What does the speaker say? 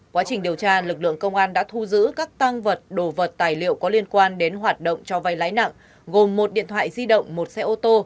quá trình điều tra lực lượng công an đã thu giữ các tăng vật đồ vật tài liệu có liên quan đến hoạt động cho vay lãi nặng gồm một điện thoại di động một xe ô tô